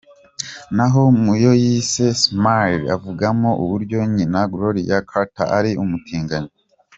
" Naho mu yo yise â€?Smileâ€™ avugamo uburyo nyina Gloria Carter ari umutinganyi.